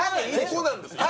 ここなんですよ